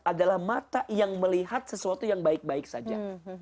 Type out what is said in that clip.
adalah mata yang melihat sesuatu yang baik baik saja